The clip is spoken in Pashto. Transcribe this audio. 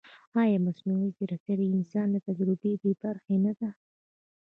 ایا مصنوعي ځیرکتیا د انسان له تجربې بېبرخې نه ده؟